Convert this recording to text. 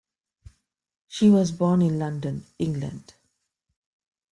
She was born in London, England.